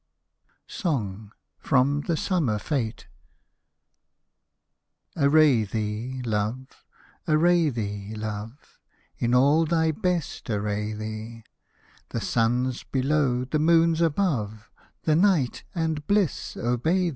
SONG (FROM "THE SUMMER FETE '') Array thee, love, array thee, love. In all thy best array thee ; The sun's below — the moon's above And Night and Bliss obey thee.